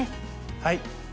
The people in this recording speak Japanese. はい。